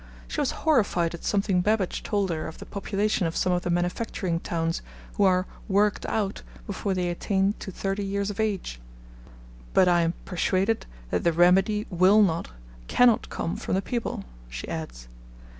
She was horrified at something Babbage told her of the population of some of the manufacturing towns who are worked out before they attain to thirty years of age. 'But I am persuaded that the remedy will not, cannot come from the people,' she adds.